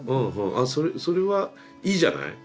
あそれそれはいいじゃない。